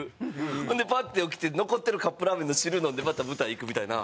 ほんでパッて起きて残ってるカップラーメンの汁飲んでまた舞台行くみたいな。